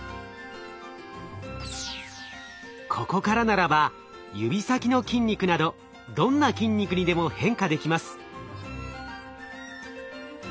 ここからならば指先の筋肉などどんな筋肉にでも変化できます。